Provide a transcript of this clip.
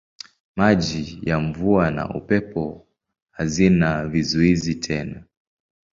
Maji ya mvua na upepo hazina vizuizi tena.